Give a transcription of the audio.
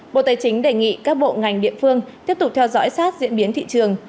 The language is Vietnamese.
bộ tài chính đề nghị các bộ ngành địa phương tiếp tục theo dõi sát diễn biến thị trường